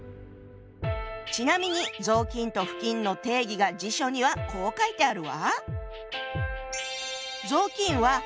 ちなみに「雑巾」と「布巾」の定義が辞書にはこう書いてあるわ。